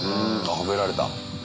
褒められた！